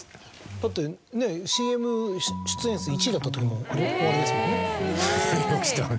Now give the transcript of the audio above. だってＣＭ出演数１位だったときもおありですもんね。